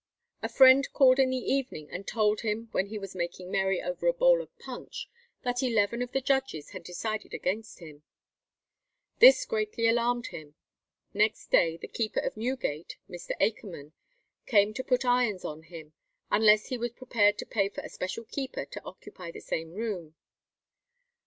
A friend called in the evening, and told him when he was making merry over a bowl of punch that eleven of the judges had decided against him. This greatly alarmed him; next day the keeper of Newgate (Mr. Akerman) came to put irons on him, unless he was prepared to pay for a special keeper to occupy the same room.